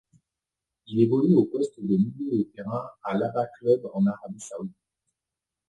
Il évolue au poste de milieu de terrain à l'Abha Club en Arabie saoudite.